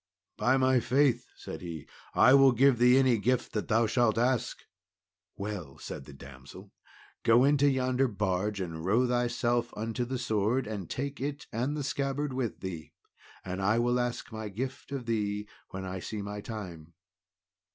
"By my faith," said he, "I will give thee any gift that thou shalt ask." "Well," said the damsel, "go into yonder barge, and row thyself unto the sword, and take it and the scabbard with thee, and I will ask my gift of thee when I see my time."